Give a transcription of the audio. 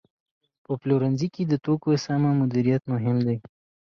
په پلورنځي کې د توکو سمه مدیریت مهم دی.